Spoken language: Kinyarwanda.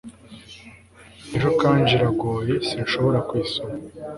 Iyo kanji iragoye sinshobora kuyisoma